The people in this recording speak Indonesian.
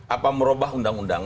apa merubah undang undang